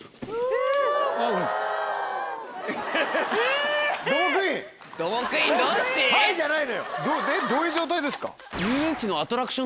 えっどういう状態ですか？